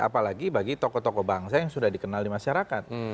apalagi bagi tokoh tokoh bangsa yang sudah dikenal di masyarakat